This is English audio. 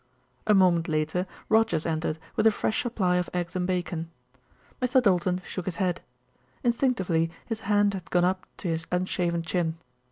A moment later Rogers entered with a fresh supply of eggs and bacon. Mr. Doulton shook his head. Instinctively his hand had gone up to his unshaven chin.